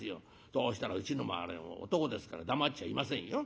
そうしたらうちのもあれ男ですから黙っちゃいませんよ。